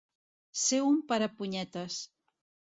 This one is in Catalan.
Ser un perepunyetes.